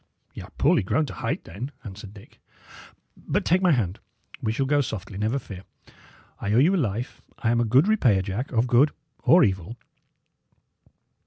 "Y' are poorly grown to height, then," answered Dick. "But take my hand. We shall go softly, never fear. I owe you a life; I am a good repayer, Jack, of good or evil."